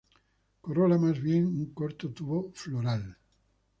Corola más bien un corto tubo floral.